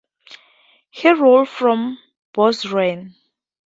He ruled from Bozrah.